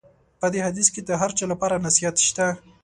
په دې حدیث کې د هر چا لپاره نصیحت شته.